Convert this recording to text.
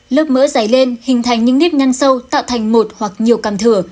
lớp mỡ dày lên hình thành những nếp nhân sâu tạo thành một hoặc nhiều cằm thừa